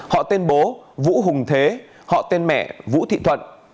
họ tên bố vũ hùng thế họ tên mẹ vũ thị thuận